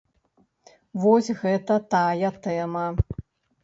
Вось гэта тая тэма.